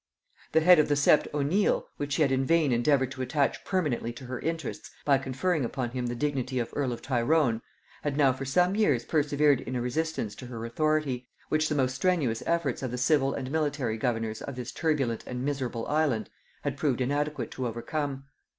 The head of the sept O'Neal, whom she had in vain endeavoured to attach permanently to her interests by conferring upon him the dignity of earl of Tyrone, had now for some years persevered in a resistance to her authority, which the most strenuous efforts of the civil and military governors of this turbulent and miserable island had proved inadequate to overcome.